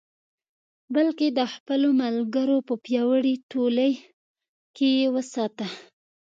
بلکې د خپلو ملګرو په پیاوړې ټولۍ کې یې وساته.